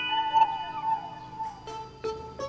kang berangkat dulu ya